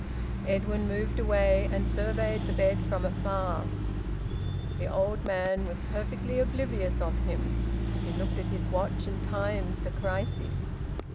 Edwin moved away, and surveyed the bed from afar. The old man was perfectly oblivious of him. He looked at his watch, and timed the crises.